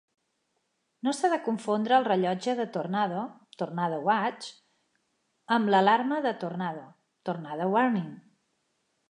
No s'ha de confondre el rellotge de tornado (tornado watch) amb l'alarma de tornado (tornado warning).